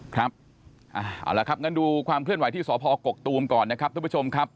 ครับเอาละครับงั้นดูความเคลื่อนไหวที่สพกกตูมก่อนนะครับทุกผู้ชมครับ